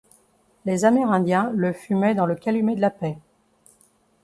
Les Amérindiens le fumaient dans le calumet de la paix.